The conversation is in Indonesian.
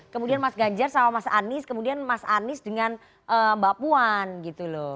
kemudian mas ganjar sama mas anies kemudian mas anies dengan mbak puan gitu loh